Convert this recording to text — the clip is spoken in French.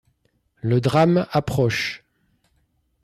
Le drame approche.